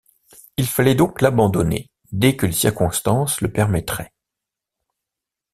Il fallait donc l’abandonner, dès que les circonstances le permettraient.